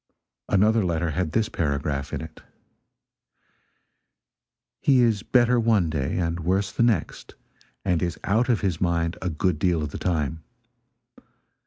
Another letter had this paragraph in it: "He is better one day and worse the next, and is out of his mind a good deal of the time.